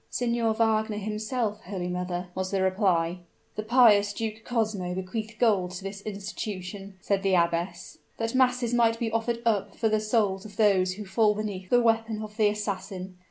"Signor Wagner himself, holy mother," was the reply. "The pious Duke Cosmo bequeathed gold to this institution," said the abbess, "that masses might be offered up for the souls of those who fall beneath the weapon of the assassin.